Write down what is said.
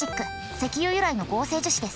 石油由来の合成樹脂です。